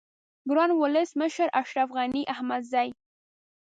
گران ولس مشر اشرف غنی احمدزی